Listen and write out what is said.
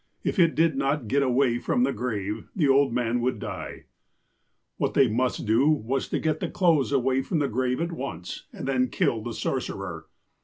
If it did not get away from the grave, the old man would die. '' What they must do was to get the clothes away from the grave at once, and then kill the sorcerer.